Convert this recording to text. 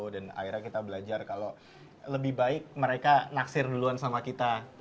dan akhirnya kita belajar kalo lebih baik mereka naksir duluan sama kita